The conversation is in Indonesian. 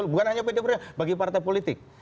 bukan hanya pdip bagi partai politik